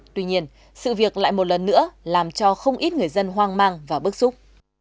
tuy nhiên sự việc lại một lần nữa làm cho không ít người dân hoang mang và bức xúc